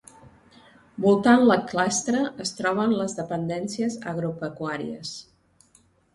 Voltant la clastra es troben les dependències agropecuàries.